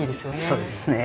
そうですね。